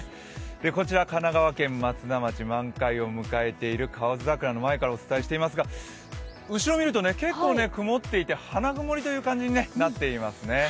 こちら神奈川県松田町、満開を迎えている河津桜の前からお伝えしていますが、後ろを見ると結構曇っていて、花曇りという感じになっていますね。